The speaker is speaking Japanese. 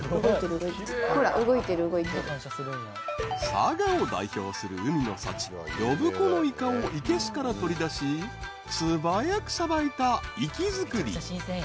［佐賀を代表する海の幸呼子のイカをいけすから取り出し素早くさばいた生き造り］